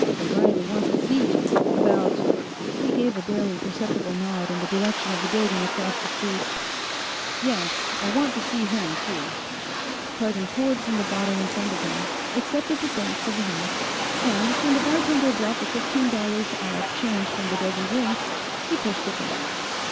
"O'Reilly wants to see you. About " He gave a barely perceptible nod in the direction of the building across the street. "Yes; I want to see him, too." Cardon poured from the bottle in front of him, accepted the thanks of the house, and, when the bartender brought the fifteen dollars odd change from the dozen drinks, he pushed it back.